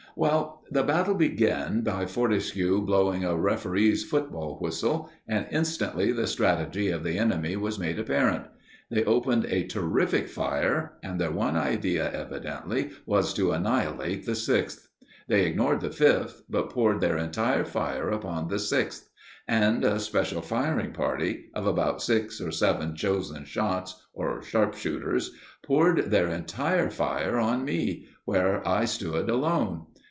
Well, the battle began by Fortescue blowing a referee's football whistle, and instantly the strategy of the enemy was made apparent. They opened a terrific fire, and their one idea evidently was to annihilate the Sixth. They ignored the Fifth, but poured their entire fire upon the Sixth; and a special firing party of about six or seven chosen shots, or sharpshooters, poured their entire fire on me, where I stood alone.